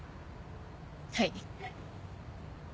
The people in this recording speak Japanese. はい。